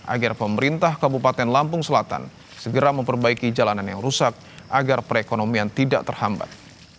agar pemerintah kabupaten lampung selatan segera memperbaiki jalanan yang rusak agar perekonomian tidak terhambat